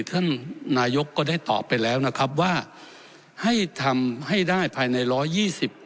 ท่านนายกก็ได้ตอบไปแล้วนะครับว่าให้ทำให้ได้ภายในร้อยยี่สิบ